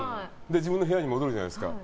自分の部屋に戻るじゃないですか。